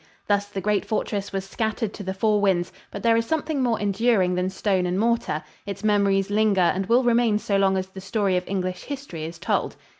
Thus the great fortress was scattered to the four winds, but there is something more enduring than stone and mortar, its memories linger and will remain so long as the story of English history is told.